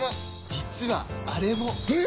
実はあれも！え！？